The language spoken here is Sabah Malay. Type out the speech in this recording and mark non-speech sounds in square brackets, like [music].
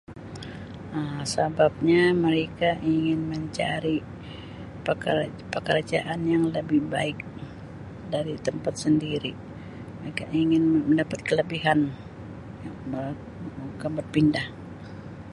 Um sebabnya mereka ingin mencari peker - pekerjaan yang lebih baik dari tempat sendiri mereka ingin mendapat kelebihan [unintelligible] berpindah